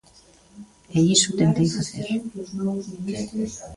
E iso tentei facer.